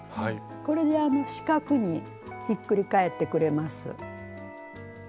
これで四角にひっくり返ってくれます。